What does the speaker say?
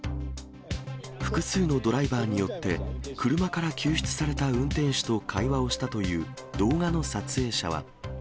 複数のドライバーによって、車から救出された運転手と会話をしたという、動画の撮影者は。